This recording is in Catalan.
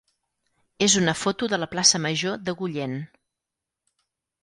és una foto de la plaça major d'Agullent.